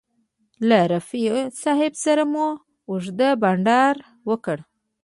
له رفیع صاحب سره مو اوږد بنډار وکړ.